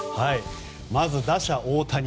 まず、打者・大谷。